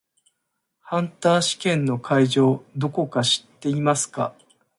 ハンター試験の会場どこか知っていますか？